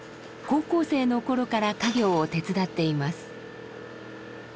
高校生の頃から家業を手伝っています。